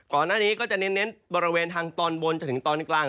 ก่อนหน้านี้ก็จะเน้นบริเวณทางตอนบนจนถึงตอนกลาง